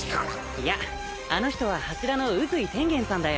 いあの人は柱の宇髄天元さんだよ。